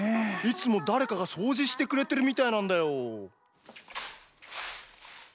いつもだれかがそうじしてくれてるみたいなんだよ。